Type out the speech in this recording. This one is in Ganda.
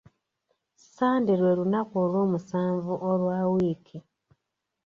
Ssande lwe lunaku olw'omusanvu olwa wiiki.